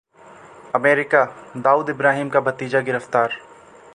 अमेरिकाः दाऊद इब्राहिम का भतीजा गिरफ्तार